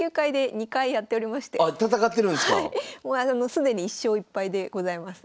既に１勝１敗でございます。